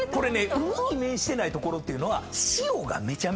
海に面してない所っていうのは。